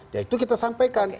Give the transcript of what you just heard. ya itu kita sampaikan